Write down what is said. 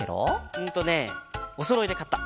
うんとねおそろいでかった。